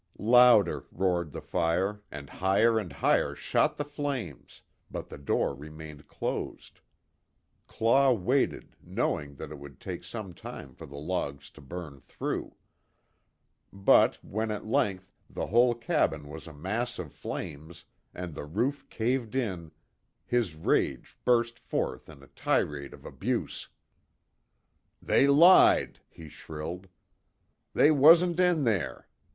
Louder roared the fire, and higher and higher shot the flames, but the door remained closed. Claw waited, knowing that it would take some time for the logs to burn through. But, when, at length, the whole cabin was a mass of flames, and the roof caved in, his rage burst forth in a tirade of abuse: "They lied!" he shrilled, "They wasn't in there.